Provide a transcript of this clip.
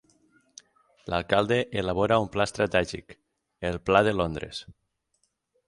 L'alcalde elabora un pla estratègic, el "Pla de Londres".